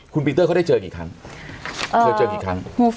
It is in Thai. คุณปีเตอร์เขาได้เจอกันกี่ครั้ง